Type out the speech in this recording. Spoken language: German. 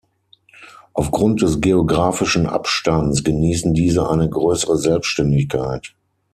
Aufgrund des geografischen Abstands genießen diese eine größere Selbstständigkeit.